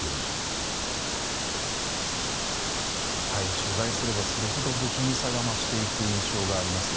取材すればするほど不気味さが増していく印象がありますが。